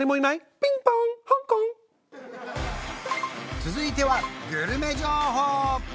ピンポーン香港続いてはグルメ情報！